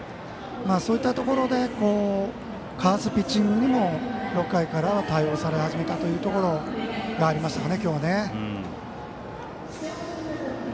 そういったところでかわすピッチングにも６回から対応され始めたところがありましたね、今日は。